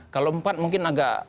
kalau empat mungkin agak